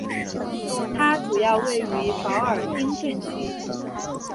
它主要位于保尔丁镇区。